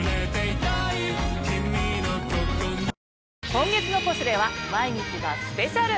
今月の『ポシュレ』は毎日がスペシャル。